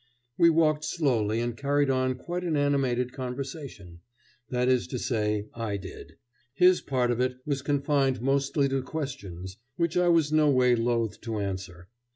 We walked slowly and carried on quite an animated conversation; that is to say, I did. His part of it was confined mostly to questions, which I was no way loth to answer.